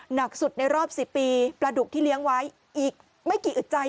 หนักสุดในรอบ๑๐ปีปลาดุกที่เลี้ยงไว้อีกไม่กี่อึดใจ